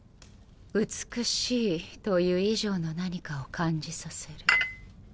美しいという以上の何かを感じさせる。